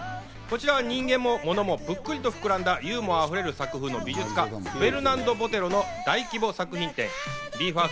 こちらは人間も物もぷっくりと膨らんだユーモア溢れる作風の美術家、フェルナンド・ボテロの大規模作品展。